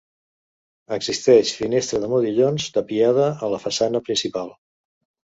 Existeix finestra de modillons tapiada a la façana principal.